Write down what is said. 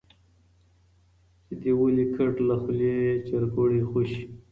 چي دي ولي کړ له خولې چرګوړی خوشي